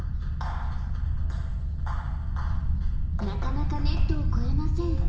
［なかなかネットを越えません］